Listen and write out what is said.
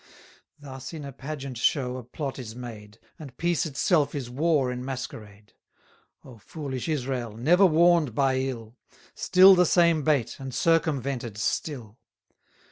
750 Thus in a pageant show a plot is made; And peace itself is war in masquerade. O foolish Israel! never warn'd by ill! Still the same bait, and circumvented still!